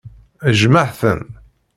Jjmeɣ-ten.